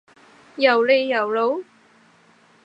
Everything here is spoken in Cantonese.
又呢又路？